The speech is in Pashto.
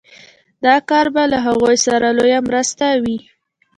دا کار به له هغوی سره لويه مرسته وي